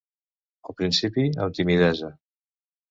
Al principi amb timidesa.